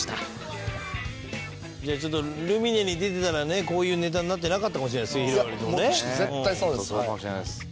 じゃあちょっとルミネに出てたらねこういうネタになってなかったかもしれないすゑひろがりずもね。